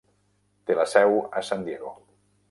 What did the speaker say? Té la seu a San Diego.